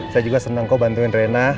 saya juga senang kok bantuin rena